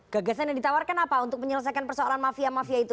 gagasan yang ditawarkan apa untuk menyelesaikan persoalan mafia mafia itu